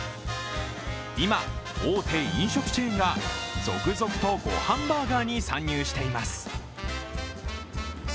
今、大手飲食チェーンが続々とごはんバーガーに参入しています。